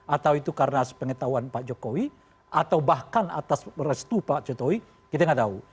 atau itu karena sepengetahuan pak jokowi atau bahkan atas restu pak jokowi kita nggak tahu